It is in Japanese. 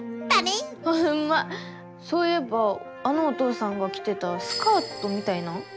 そういえばあのお父さんがきてたスカートみたいな？